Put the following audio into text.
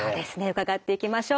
伺っていきましょう。